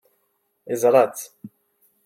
Yeẓra-tt.